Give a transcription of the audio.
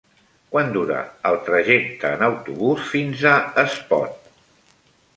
Quant dura el trajecte en autobús fins a Espot?